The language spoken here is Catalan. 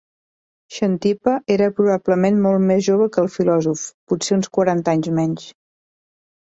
Xantipa era probablement molt més jove que el filòsof, potser uns quaranta anys menys.